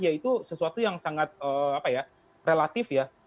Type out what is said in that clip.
yaitu sesuatu yang sangat relatif ya